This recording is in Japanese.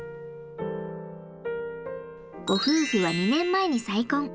ご夫婦は２年前に再婚。